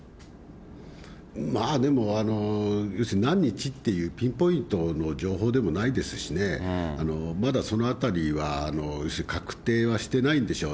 まあでも、要するに何日っていうピンポイントの情報でもないですしね、まだそのあたりは要するに確定はしてないんでしょう。